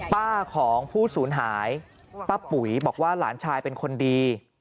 ป้าของผู้สูญหายป้าปุ๋ยบอกว่าหลานชายเป็นคนดี